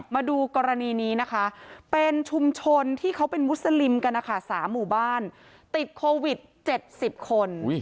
มาดูกรณีนี้นะคะเป็นชุมชนที่เขาเป็นมุสลิมกันนะคะ๓หมู่บ้านติดโควิด๗๐คน